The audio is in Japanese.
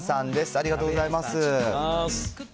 ありがとうございます。